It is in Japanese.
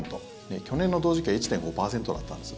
去年の同時期は１．５％だったんです。